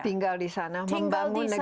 tinggal di sana membangun negara